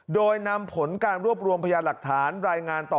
โดยนำผลการรวบรวมพยานหลักฐานรายงานต่อ